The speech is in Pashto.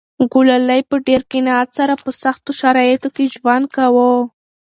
ګلالۍ په ډېر قناعت سره په سختو شرایطو کې ژوند کاوه.